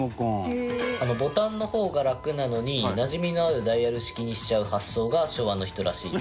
隆貴君：ボタンの方が楽なのになじみのあるダイヤル式にしちゃう発想が昭和の人らしい。